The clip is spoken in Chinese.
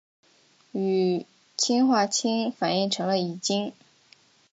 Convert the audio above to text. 与氰化氢反应生成乙腈。